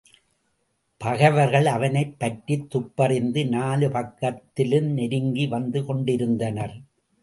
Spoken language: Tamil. பகைவர்கள் அவனைப் பற்றித் துப்பறிந்து நாலு பக்கத்திலும் நெருங்கி வந்து கெண்டிருந்தனர்.